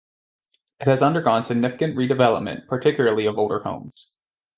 It has undergone significant redevelopment, particularly of older homes.